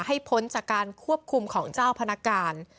พ้นจากการควบคุมของเจ้าพนักงาน